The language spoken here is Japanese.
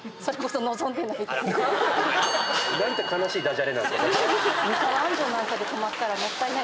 なんて哀しいダジャレなんですか。